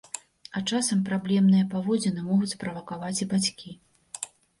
А часам праблемныя паводзіны могуць справакаваць і бацькі.